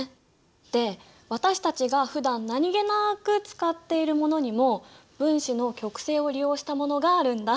で私たちがふだん何気なく使っているものにも分子の極性を利用したものがあるんだ。